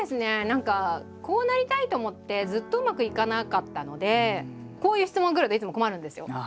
何かこうなりたいと思ってずっとうまくいかなかったのでこういう質問くるといつも困るんですよ。